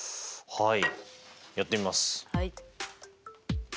はい。